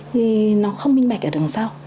thì nó không minh bạch ở đằng sau